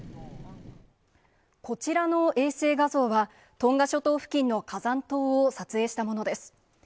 こちらの衛星画像は、トンガ諸島付近の火山島を撮影したものです。